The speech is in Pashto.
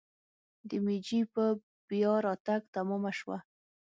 د میجي په بیا راتګ تمامه شوه.